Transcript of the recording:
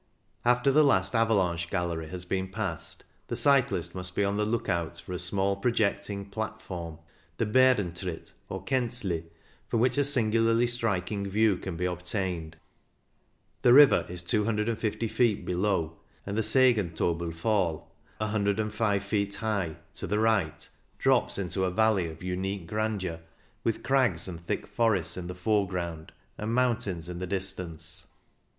After the last avalanche gallery has been passed, the cyclist must be on the look out for a small projecting platform, the Barentritt, or Kanzli, from which a singularly striking view can be obtained. The river is 250 feet below, and the Sagen tobel Fall, 105 feet high, to the right, drops into a valley of unique grandeur, with crags and thick forests in the fore ground, and mountains in the distance.